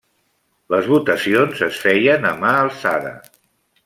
Les votacions es feien a mà alçada.